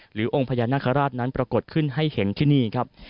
องค์พญานาคาราชนั้นปรากฏขึ้นให้เห็นที่นี่ครับ